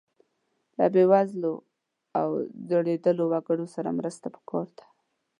له بې وزلو او ځورېدلو وګړو سره مرسته پکار ده.